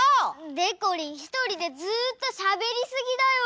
でこりんひとりでずっとしゃべりすぎだよ。